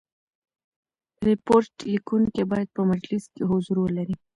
ریپورټ لیکوونکی باید په مجلس کي حضور ولري.